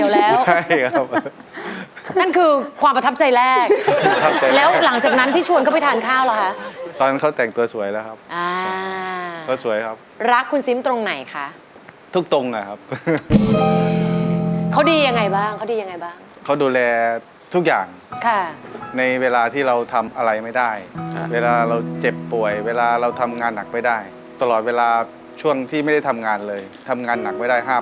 แล้วเขาก็มาขายก๋วยเตี๋ยวแล้วครับ